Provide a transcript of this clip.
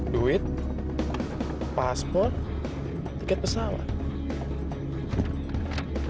duit paspor tiket pesawat